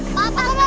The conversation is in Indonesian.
apa apa kenapa pak